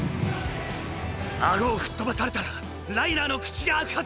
顎を吹っ飛ばされたらライナーの口が開くはずだ。